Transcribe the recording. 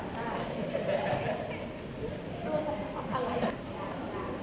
สวัสดีครับสวัสดีครับ